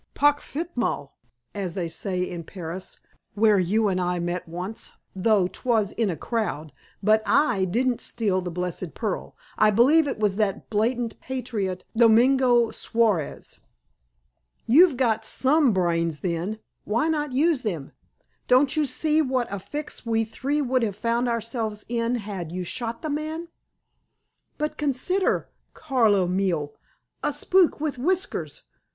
"Parfaitement! as they say in Paris, where you and I met once, though 'twas in a crowd. But I didn't steal the blessed pearl. I believe it was that blatant patriot, Domengo Suarez." "You've got some brains, then. Why not use them? Don't you see what a fix we three would have found ourselves in had you shot the man?" "But, consider, Carlo mio! A spook with whiskers!